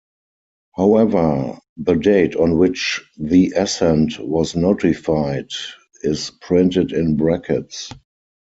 However, the date on which the assent was notified is printed in brackets.